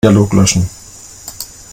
Dialog löschen.